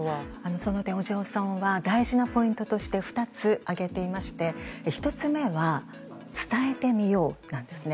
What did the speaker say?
その点、小塩さんは大事なポイントとして２つ挙げていまして、１つ目は伝えてみよう、なんですね。